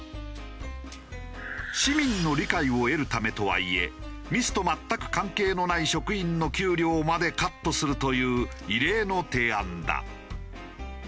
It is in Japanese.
市民の理解を得るためとはいえミスと全く関係のない職員の給料までカットするという異例の提案だ。